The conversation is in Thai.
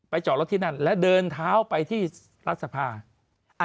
จอดรถที่นั่นและเดินเท้าไปที่รัฐสภา